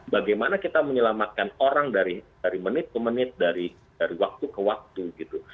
bagaimana kita menyelamatkan orang dari menit ke menit dari waktu ke waktu gitu